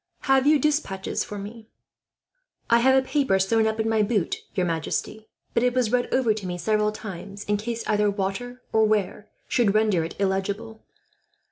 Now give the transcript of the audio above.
"Have you despatches for me?" "I have a paper sewn up in my boot, your majesty; but it was read over to me several times, in case either water or wear should render it illegible."